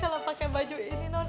kalau pakai baju ini non